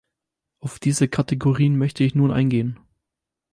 Auf diese Kategorien möchte ich nun eingehen.